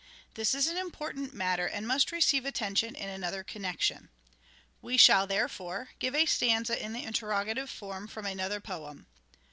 This is an important matter and must receive attention in another connection. We shall, therefore, give a stanza in the interrogative form from another poem.